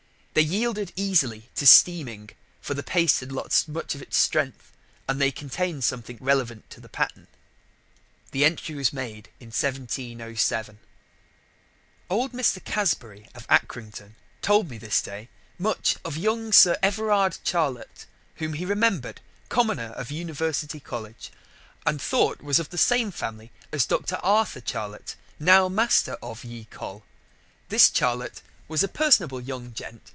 They yielded easily to steaming, for the paste had lost much of its strength, and they contained something relevant to the pattern. The entry was made in 1707. "Old Mr. Casbury, of Acrington, told me this day much of young Sir Everard Charlett, whom he remember'd Commoner of University College, and thought was of the same Family as Dr. Arthur Charlett, now master of ye Coll. This Charlett was a personable young gent.